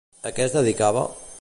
A què es dedicava?